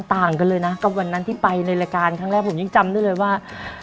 ต่างกันเลยนะกับวันนั้นที่ไปในรายการครั้งแรกผมยังจำได้เลยว่า